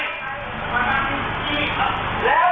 คุณผู้ชมไปดูอีกหนึ่งเรื่องนะคะครับ